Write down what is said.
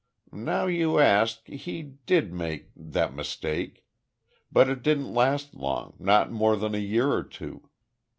"Now you ask, he did make that mistake. But it didn't last long not more than a year or two.